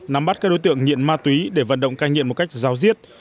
nắm bắt các đối tượng nghiện ma túy để vận động ca nghiện một cách giao diết